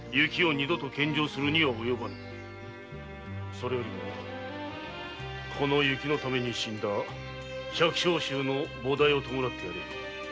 それよりもこの雪のために死んだ百姓衆の菩提を弔ってやれ。